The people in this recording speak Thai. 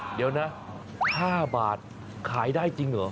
เดี๋ยวนะ๕บาทขายได้จริงเหรอ